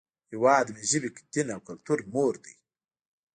هیواد مې د ژبې، دین، او کلتور مور دی